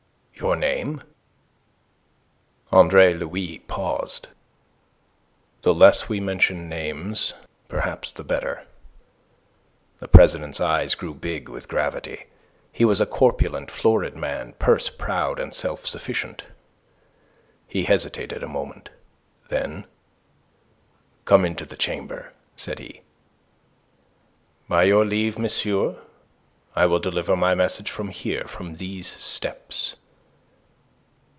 "Your name?" Andre Louis paused. "The less we mention names perhaps the better." The president's eyes grew big with gravity. He was a corpulent, florid man, purse proud, and self sufficient. He hesitated a moment. Then "Come into the Chamber," said he. "By your leave, monsieur, I will deliver my message from here from these steps."